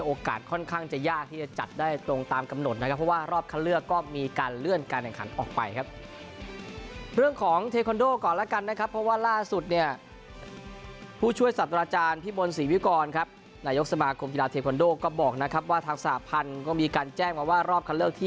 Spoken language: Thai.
ค่อนข้างจะยากที่จะจัดได้ตรงตามกำหนดนะครับเพราะว่ารอบคัดเลือกก็มีการเลื่อนการแข่งขันออกไปครับ